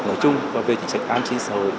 nói chung và về chính sách an sinh xã hội